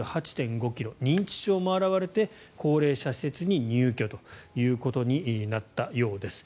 認知症も現れて高齢者施設に入居ということになったようです。